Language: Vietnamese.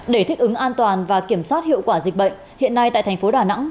để thích ứng an toàn và kiểm soát hiệu quả dịch bệnh hiện nay tại thành phố đà nẵng